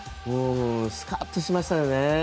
スカッとしましたよね。